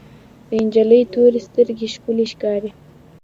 د انجلۍ تورې سترګې ښکلې ښکاري.